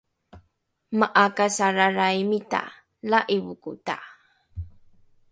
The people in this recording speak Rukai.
ma’akasalralraimita la’ivokota